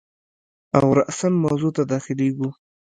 او راساً موضوع ته داخلیږو.